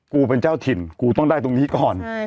เป็นเจ้าถิ่นกูต้องได้ตรงนี้ก่อน